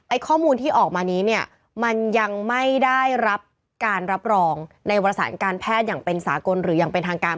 ข้อมูลที่ออกมานี้เนี่ยมันยังไม่ได้รับการรับรองในวรสารการแพทย์อย่างเป็นสากลหรืออย่างเป็นทางการ